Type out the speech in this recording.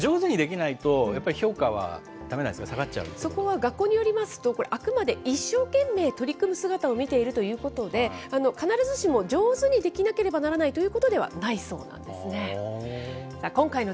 でも上手にできないと、やっぱり評価はだめなんですか、下がっちそこは学校によりますと、あくまで一生懸命取り組む姿を見ているということで、必ずしも上手にできなければならないということではないそうなんですね。